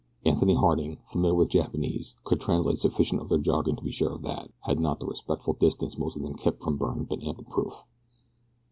Anthony Harding, familiar with Japanese, could translate sufficient of their jargon to be sure of that, had not the respectful distance most of them kept from Byrne been ample proof.